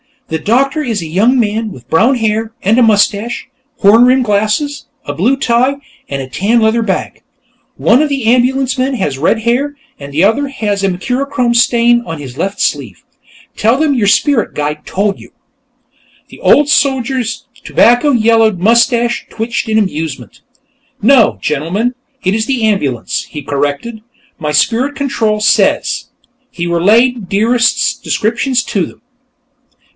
The doctor is a young man, with brown hair and a mustache, horn rimmed glasses, a blue tie and a tan leather bag. One of the ambulance men has red hair, and the other has a mercurochrome stain on his left sleeve. Tell them your spirit guide told you." The old soldier's tobacco yellowed mustache twitched with amusement. "No, gentlemen, it is the ambulance," he corrected. "My spirit control says...." He relayed Dearest's descriptions to them.